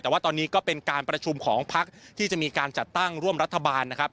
แต่ว่าตอนนี้ก็เป็นการประชุมของพักที่จะมีการจัดตั้งร่วมรัฐบาลนะครับ